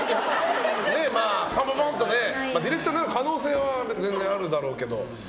ぽぽぽんとねディレクターになる可能性は全然あるだろうけど。